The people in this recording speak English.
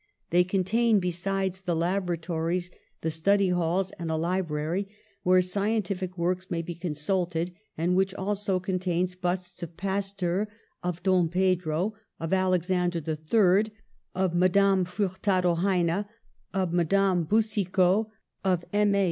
They contain, besides the laboratories, the study halls, and a library where scientific works may be consulted, and which also con tains busts of Pasteur, of Don Pedro, of Alex ander III, of Mme. Purtado Heine, of Mme. Boucicaut, of M. A.